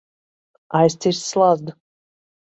Aizcirst slazdu.